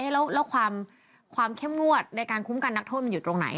แล้วความเข้มงวดในการคุ้มกันนักโทษมันอยู่ตรงไหน